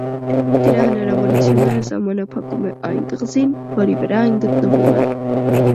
Դրա հնարավորությունները սահմանափակում է այն կղզին, որի վրա այն գտնվում է։